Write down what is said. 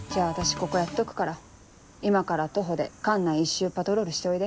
ここやっとくから今から徒歩で管内一周パトロールしておいで。